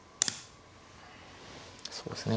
そうですね